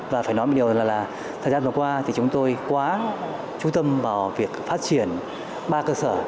và phải nói một điều là thời gian vừa qua thì chúng tôi quá chú tâm vào việc phát triển ba cơ sở